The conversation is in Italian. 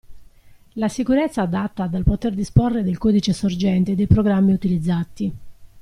La sicurezza data dal poter disporre del codice sorgente dei programmi utilizzati.